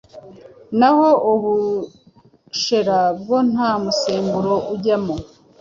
na ho ubushera bwo nta musemburo ujyamo.